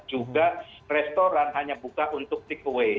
juga restoran hanya buka untuk takeaway